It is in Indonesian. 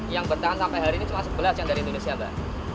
yang bertahan sampai hari ini cuma sebelas yang dari indonesia mbak